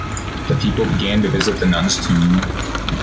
The people began to visit the nun's tomb.